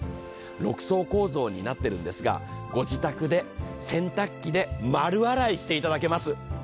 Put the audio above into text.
６層構造になっているんですが、ご自宅で洗濯機で丸洗いしていただけます。